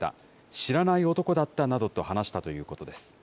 知らない男だったなどと話したということです。